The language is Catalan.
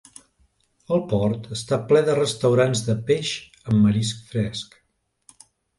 El port està ple de restaurants de peix amb marisc fresc.